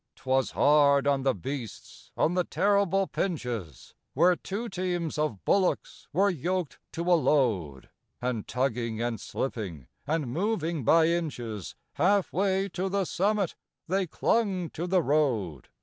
'Twas hard on the beasts on the terrible pinches, Where two teams of bullocks were yoked to a load, And tugging and slipping, and moving by inches, Half way to the summit they clung to the road.